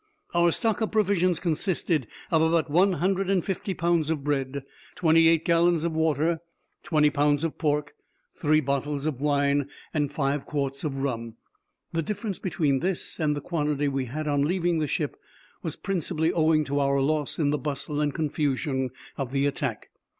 Our stock of provisions consisted of about one hundred and fifty pounds of bread, twenty eight gallons of water, twenty pounds of pork, three bottles of wine, and five quarts of rum. The difference between this and the quantity we had on leaving the ship was principally owing to our loss in the bustle and confusion of the attack.